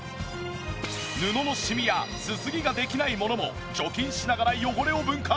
布のシミやすすぎができないものも除菌しながら汚れを分解！